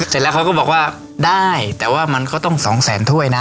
เสร็จแล้วเขาก็บอกว่าได้แต่ว่ามันก็ต้องสองแสนถ้วยนะ